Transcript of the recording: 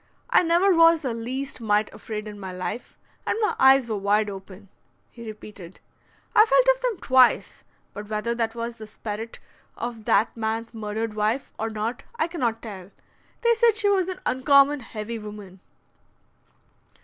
I never was the least mite afraid in my life. And my eyes were wide open," he repeated; "I felt of them twice; but whether that was the speret of that man's murdered wife or not I cannot tell. They said she was an uncommon heavy woman."